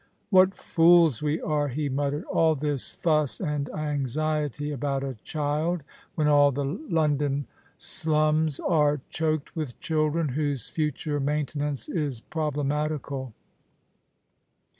" What fools we are !" he muttered. " All this fuss and anxiety about a child, when all the London slums are choked with children whose future maintenance is problematical